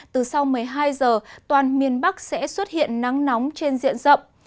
từ sau một mươi hai giờ toàn miền bắc sẽ xuất hiện nắng nóng trên diện rộng